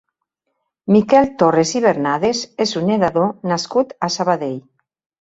Miquel Torres i Bernades és un nedador nascut a Sabadell.